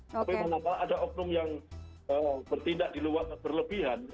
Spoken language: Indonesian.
tapi kenapa ada oknum yang bertindak di luar berlebihan